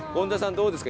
どうですか？